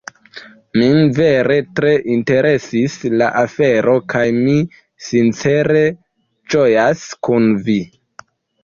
Min vere tre interesis la afero kaj mi sincere ĝojas kun Vi!